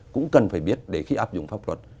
cũng cần phải biết để khi áp dụng pháp luật